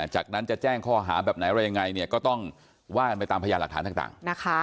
จากนั้นจะแจ้งข้อหาแบบไหนอะไรยังไงก็ต้องว่ากันไปตามพยานหลักฐานต่าง